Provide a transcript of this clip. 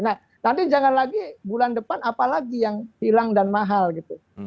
nah nanti jangan lagi bulan depan apalagi yang hilang dan mahal gitu